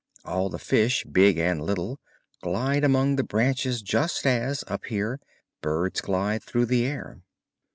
All the fish, big and little, glide among the branches just as, up here, birds glide through the air.